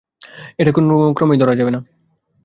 এটা কোনোক্রমেই ধরা যাবে না।